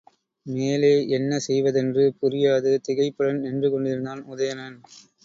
மேலே என்ன செய்வதென்று புரியாது திகைப்புடன் நின்றுகொண்டிருந்தான் உதயணன்.